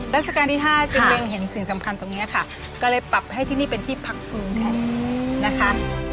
ราชการที่๕จึงเล็งเห็นสิ่งสำคัญตรงนี้ค่ะก็เลยปรับให้ที่นี่เป็นที่พักภูมิแทนนะคะ